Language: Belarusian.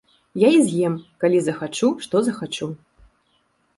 Я і з'ем, калі захачу, што захачу.